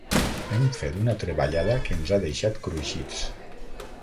Hem fet una treballada que ens ha deixat cruixits.